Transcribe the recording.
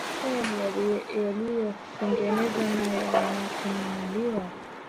ee yaliko tengenezwa na ya na kununuliwa